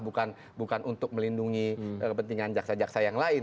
bukan untuk melindungi kepentingan jaksa jaksa yang lain